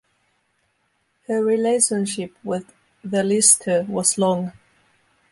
Her relationship with the Lister was long.